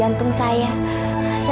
saya gak akan mungkin siapkan jantung saya